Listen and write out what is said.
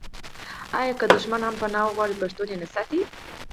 آیا که دښمن هم پنا وغواړي پښتون یې نه ساتي؟